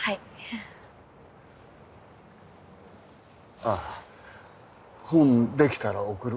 あぁ本できたら送る。